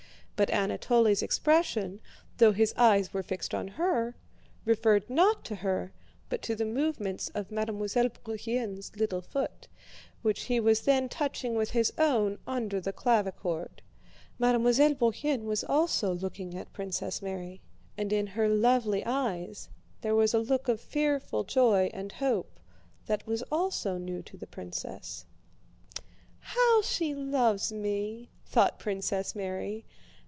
But Anatole's expression, though his eyes were fixed on her, referred not to her but to the movements of Mademoiselle Bourienne's little foot, which he was then touching with his own under the clavichord. Mademoiselle Bourienne was also looking at Princess Mary, and in her lovely eyes there was a look of fearful joy and hope that was also new to the princess. "How she loves me!" thought Princess Mary.